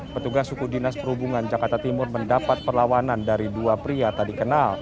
pertugas suku dinas perhubungan jakarta timur mendapat perlawanan dari dua pria tak dikenal